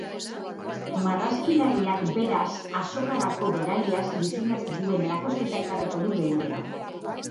Marrazkilariak berak azokarako berariaz diseinatu duen erakusketa ekarriko du geurera.